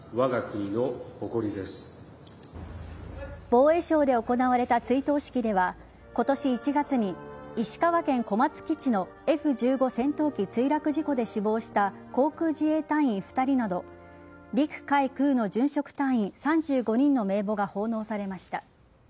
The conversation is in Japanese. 防衛省で行われた追悼式では今年１月に石川県小松基地のＦ‐１５戦闘機墜落事故で死亡した航空自衛隊員２人など陸・海・空の殉職隊員３５人の名簿が奉納されました。